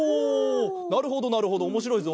なるほどなるほどおもしろいぞ。